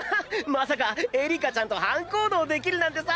まさかエリカちゃんと班行動できるなんてさ！